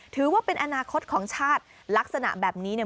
ถือว่าเป็นอนาคตของชาติลักษณะแบบนี้เนี่ย